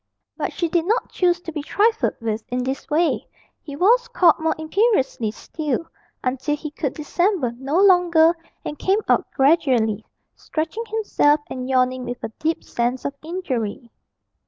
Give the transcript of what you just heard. But she did not choose to be trifled with in this way: he was called more imperiously still, until he could dissemble no longer and came out gradually, stretching himself and yawning with a deep sense of injury.